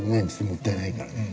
もったいないからね。